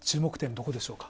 どこでしょうか？